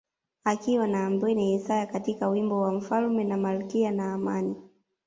Akiwa na Ambwene Yesaya katika wimbo wa mfalme na malkia na Amani